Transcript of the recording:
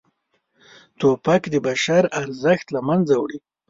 توپک د بشر ارزښت له منځه وړي.